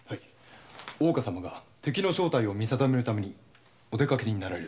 大岡様が敵の正体を見定めるためにお出かけに。